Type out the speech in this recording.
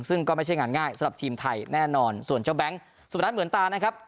ซึ่งก็ไม่ใช่งานง่ายสำหรับทีมไทยแน่นอนส่วนเจ้าแบงค์สุพนัทเหมือนตานะครับ